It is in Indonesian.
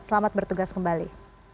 selamat bertugas kembali